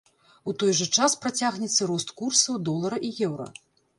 У той жа час працягнецца рост курсаў долара і еўра.